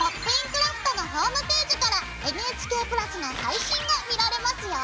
クラフト」のホームページからＮＨＫプラスの配信が見られますよ。